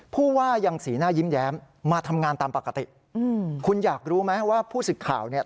ผู้ว่ายังสีหน้ายิ้มแย้มมาทำงานตามปกติอืมคุณอยากรู้ไหมว่าผู้สึกข่าวเนี่ย